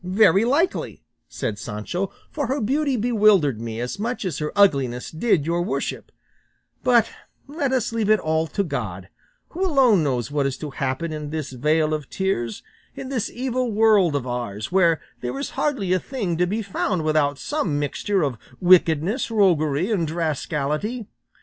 "Very likely," said Sancho; "for her beauty bewildered me as much as her ugliness did your worship; but let us leave it all to God, who alone knows what is to happen in this vale of tears, in this evil world of ours, where there is hardly a thing to be found without some mixture of wickedness, roguery, and rascality.